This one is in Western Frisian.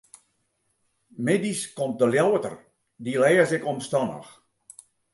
Middeis komt de Ljouwerter, dy lês ik omstannich.